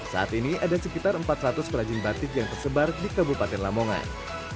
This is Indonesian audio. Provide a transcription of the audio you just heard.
saat ini ada sekitar empat ratus perajin batik yang tersebar di kabupaten lamongan